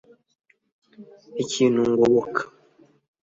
Ikintu ngoboka